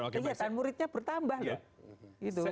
kelihatan muridnya bertambah loh